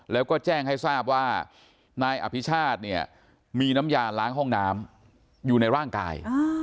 แล้วก็แจ้งให้ทราบว่านายอภิชาติเนี่ยมีน้ำยาล้างห้องน้ำอยู่ในร่างกาย